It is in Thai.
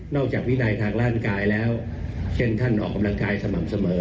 จากวินัยทางร่างกายแล้วเช่นท่านออกกำลังกายสม่ำเสมอ